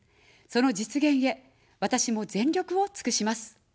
その実現へ、私も全力をつくします。